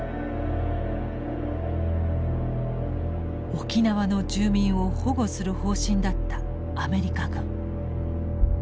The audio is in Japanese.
沖縄の住民を保護する方針だったアメリカ軍。